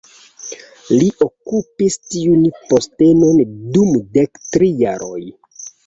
Li okupis tiun postenon dum dektri jaroj.